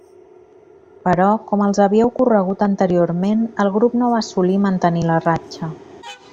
Però, com els havia ocorregut anteriorment, el grup no va assolir mantenir la ratxa.